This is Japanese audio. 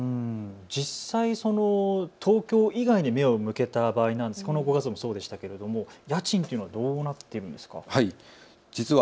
実際、東京以外に目を向けた場合なんですが、このご家族もそうでしたけれども家賃というのはどうなっているんですか。